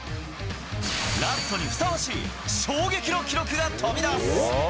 ラストにふさわしい衝撃の記録が飛び出す。